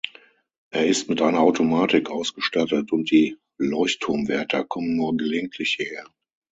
Er ist mit einer Automatik ausgestattet und die Leuchtturmwärter kommen nur gelegentlich hierher.